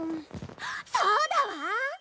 そうだわ！